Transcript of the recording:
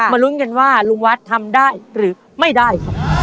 ลุ้นกันว่าลุงวัดทำได้หรือไม่ได้ครับ